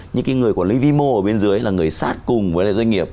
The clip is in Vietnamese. những cái người quản lý vi mô ở bên dưới là người sát cùng với doanh nghiệp